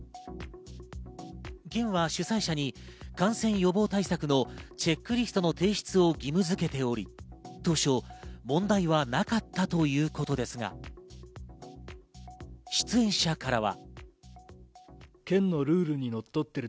県は主催者に感染予防対策のチェックリストの提出を義務づけており、当初問題はなかったということですが、出演者からは。